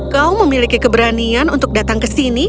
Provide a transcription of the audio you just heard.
kau memiliki keberanian untuk datang ke sini